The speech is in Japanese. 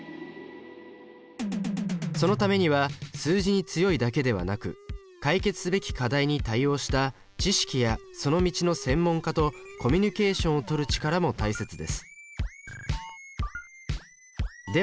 そのためには数字に強いだけではなく解決すべき課題に対応した知識やその道の専門家とコミュニケーションを取る力も大切です。